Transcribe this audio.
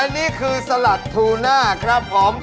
อันนี้คือสลัดทูน่าครับผม